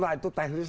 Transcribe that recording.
nah itu teknis